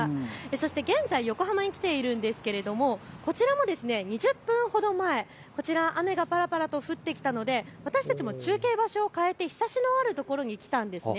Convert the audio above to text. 現在、横浜に来ているんですけれども、こちらも２０分ほど前、雨がぱらぱらと降ってきたのでわたしたちも中継場所を変えてひさしのあるところに来たんです。